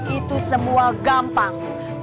itu semua gampang